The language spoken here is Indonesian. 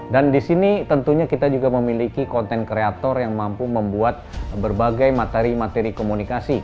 dan di sini tentunya kita juga memiliki content creator yang mampu membuat berbagai materi materi komunikasi